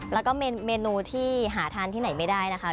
แล้วก็เมนูที่หาทานที่ไหนไม่ได้นะคะ